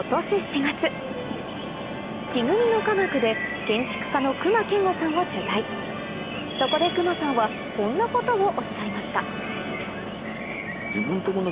木組みの科学で建築家の隈研吾さんを取材そこで隈さんはこんなことをおっしゃいました